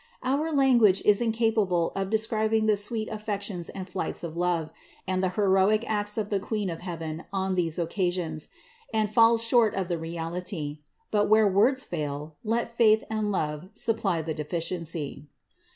Our language is incapable of describing the sweet affections and flights of love, and the heroic acts of the Queen of heaven on these occasions, and falls far short of the reality; but where words fail, let faith and love supply the deficiency.